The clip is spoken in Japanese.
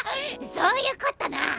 そういうこったなぁ！